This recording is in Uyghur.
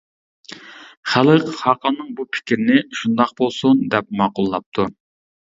خەلق خاقاننىڭ بۇ پىكرىنى «شۇنداق بولسۇن» دەپ ماقۇللاپتۇ.